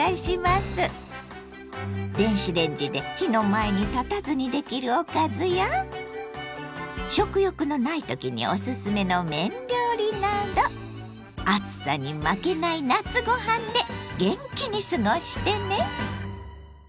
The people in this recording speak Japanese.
電子レンジで火の前に立たずにできるおかずや食欲のない時におすすめの麺料理など暑さに負けない夏ご飯で元気に過ごしてね！